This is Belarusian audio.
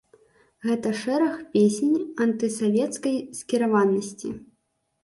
Гэта шэраг песень антысавецкай скіраванасці.